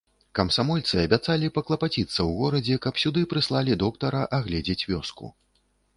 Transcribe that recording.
Камсамольцы абяцалі паклапаціцца ў горадзе, каб сюды прыслалі доктара агледзець вёску.